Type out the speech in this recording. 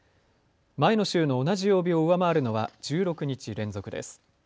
前の週の同じ曜日を上回るのは１６日連続です。